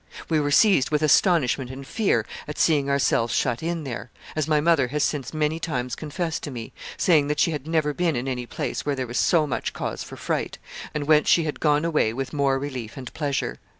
We were seized with astonishment and fear at seeing ourselves shut in there, as my mother has since many times confessed to me, saying that she had never been in any place where there was so much cause for fright, and whence she had gone away with more relief and pleasure.